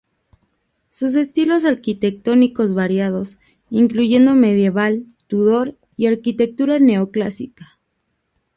Sus estilos arquitectónicos variados, incluyendo medieval, Tudor, y arquitectura neoclásica.